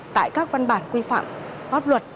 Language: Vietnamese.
tại các văn bản quy phạm bác luật